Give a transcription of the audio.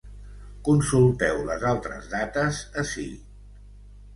Consulteu les altres dates ací.